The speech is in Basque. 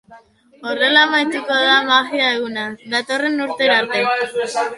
Horrela amaituko da magia eguna, datorren urtera arte.